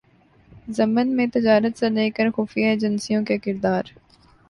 ضمن میں تجارت سے لے کرخفیہ ایجنسیوں کے کردار